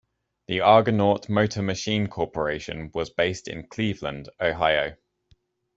The Argonaut Motor Machine Corporation was based in Cleveland, Ohio.